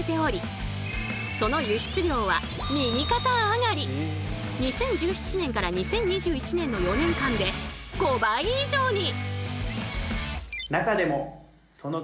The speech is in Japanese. あとねそして今２０１７年から２０２１年の４年間で５倍以上に！